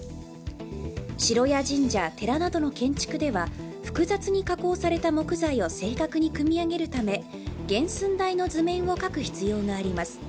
城や神社、寺などの建築では複雑に加工された木材を正確に組み上げるため原寸大の図面を描く必要があります。